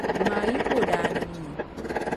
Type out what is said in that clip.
Yumaayi ka o daa niŋ ni.